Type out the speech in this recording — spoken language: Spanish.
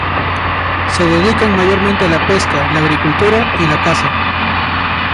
Se dedican mayormente a la pesca, la agricultura y la caza.